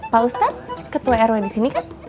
pak ustadz ketua ru yang disini kan